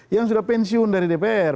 yang sudah pensiun dari dpr